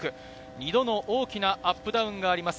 ２度の大きなアップダウンがあります。